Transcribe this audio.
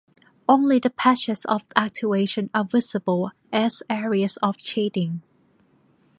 Only the patches of activation are visible as areas of shading.